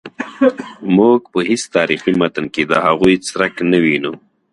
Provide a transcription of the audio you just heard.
موږ په هیڅ تاریخي متن کې د هغوی څرک نه وینو.